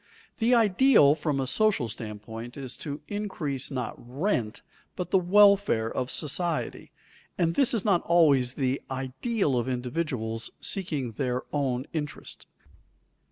The ideal from a social standpoint is to increase not rent but the welfare of society, and this is not always the ideal of individuals seeking their own interest.